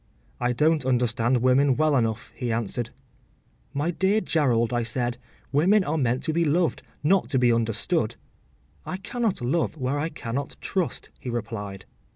‘I don’t understand women well enough,’ he answered. ‘My dear Gerald,’ I said, ‘women are meant to be loved, not to be understood.’ ‘I cannot love where I cannot trust,’ he replied.